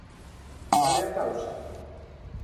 ¿Cal é a causa?